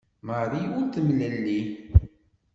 Marie ur temlelli.